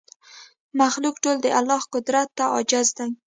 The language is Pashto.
مخلوق ټول د الله قدرت ته عاجز دی